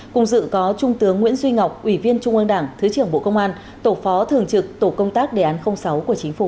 cùng dự có trung tướng nguyễn duy ngọc ủy viên trung ương đảng thứ trưởng bộ công an tổ phó thường trực tổ công tác đề án sáu của chính phủ